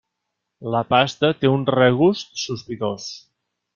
La pasta té un regust sospitós.